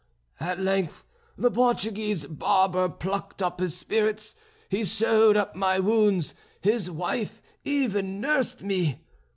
At length the Portuguese barber plucked up his spirits. He sewed up my wounds; his wife even nursed me.